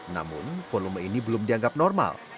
namun volume ini belum dianggap normal